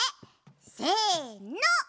せの！